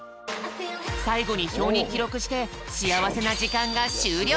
さいごにひょうにきろくしてしあわせなじかんがしゅうりょう。